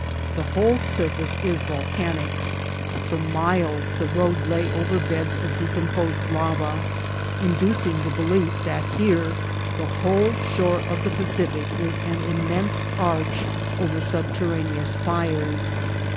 The whole surface is volcanic ; for miles the road lay over beds of decom posed lava, inducing the belief that here the whole shore of the Pacific is an immense arch over subterraneous fires.